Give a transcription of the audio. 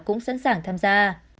cũng sẵn sàng tham gia